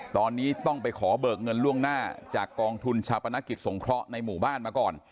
ตอนนี้ต้องไปขอเบิกเงินล่วงหน้าจากกองทุนชาปนกิจสงเคราะห์ในหมู่บ้านมาก่อน